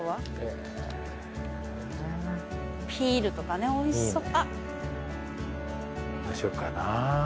ピールとかねおいしそう。